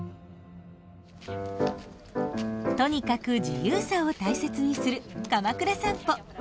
とにかく自由さを大切にするかまくら散歩。